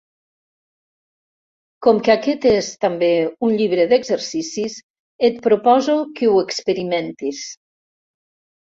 Com que aquest és, també, un llibre d'exercicis, et proposo que ho experimentis.